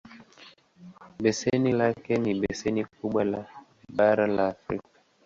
Beseni lake ni beseni kubwa le bara la Afrika.